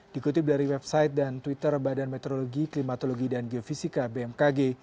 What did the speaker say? dikutip dari website dan twitter badan meteorologi klimatologi dan geofisika bmkg